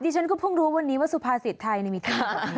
ดิฉันก็พึ่งรู้วันนี้ว่าสุภาษีในมิถีไทย